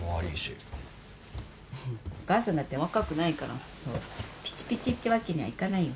お母さんだって若くないからそうピチピチってわけにはいかないよ。